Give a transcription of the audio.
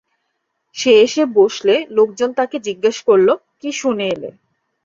সে এসে বসলে লোকজন তাকে জিজ্ঞেস করলো: কি শুনে এলে।